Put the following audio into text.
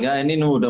enggak ini udah